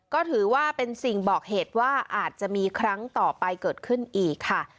ก็ถือว่าเป็นสิ่งบอกเหตุว่าอาจจะมีครั้งต่อไปเกิดขึ้นอีกค่ะ